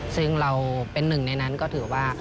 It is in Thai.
ซึ่งเราเป็นหนึ่งในนั้นก็ถือว่า